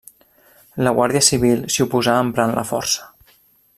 La Guàrdia Civil s'hi oposà emprant la força.